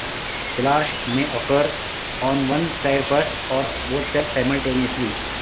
Thelarche may occur on one side first, or both sides simultaneously.